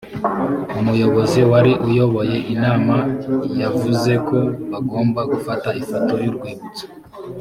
umuyobozi wari uyoboye inama yavuzeko bagomba gufata ifoto y’urwibutso